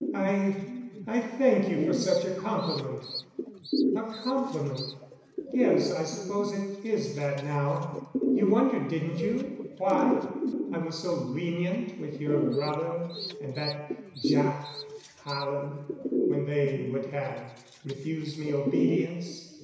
"I I thank you for such a compliment " "A compliment? Yes, I suppose it is that now. You wondered, didn't you, why I was so lenient with your brother and that Jac Hallen when they would have refused me obedience?